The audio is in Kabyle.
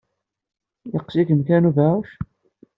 Yeqqes-ikem kra n ubeɛɛuc?